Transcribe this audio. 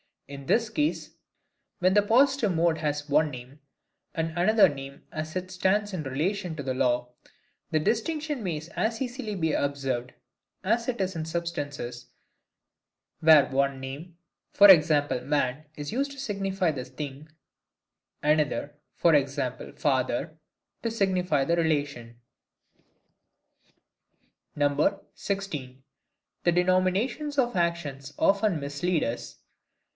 In this case, when the positive mode has one name, and another name as it stands in relation to the law, the distinction may as easily be observed as it is in substances, where one name, v.g. MAN, is used to signify the thing; another, v.g. FATHER, to signify the relation. 16. The Denominations of Actions often mislead us.